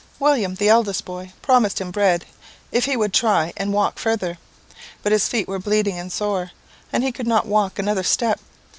William, the eldest boy, promised him bread if he would try and walk farther; but his feet were bleeding and sore, and he could not walk another step.